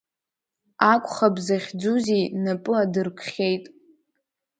Акәхап захьӡузеи, напы адыркхьеит.